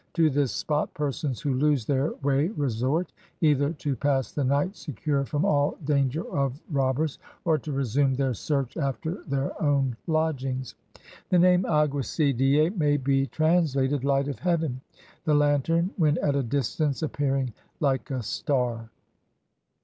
To this spot persons who lose their way resort, either to pass the night secure from all danger of robbers, or to resume their search after their own lodguigs. The name aguacy die may be trans lated Light of Heaven, the lantern when at a distance appearing like a star.